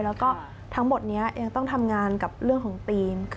แล้วก็ทั้งหมดนี้ยังต้องทำงานกับเรื่องของธีม